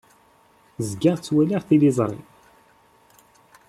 Zgiɣ ttwaliɣ tiliẓri.